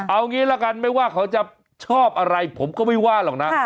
เอางี้ละกันไม่ว่าเขาจะชอบอะไรผมก็ไม่ว่าหรอกนะ